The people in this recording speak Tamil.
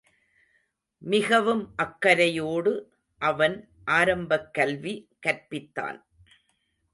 மிகவும் அக்கரையோடு அவன் ஆரம்பக் கல்வி கற்பித் தான்.